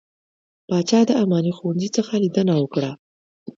پاچا د اماني ښوونځي څخه څخه ليدنه وکړه .